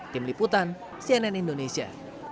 tim liputan cnn indonesia